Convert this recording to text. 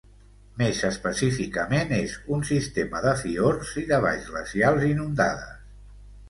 Més específicament és un sistema de fiords i de valls glacials inundades.